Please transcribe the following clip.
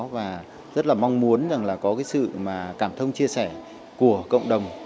và rất là mong muốn có sự cảm thông chia sẻ của cộng đồng